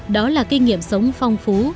đó là kinh nghiệm sống phong phú